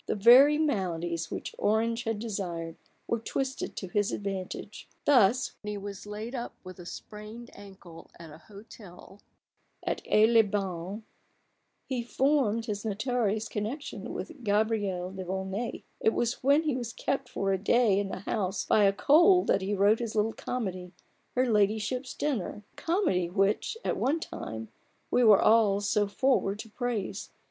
The very maladies which Orange had desired, 42 A BOOK OF BARGAINS. were twisted to his advantage. Thus, when he was laid up with a sprained ankle at an hotel at Aix les Bains, he formed his notorious connection with Gabrielle de Volnay. It was when he was kept for a day in the house by a cold that he wrote his little comedy, Her Ladyship's Dinner — a comedy which, at one time, we were all so forward to praise.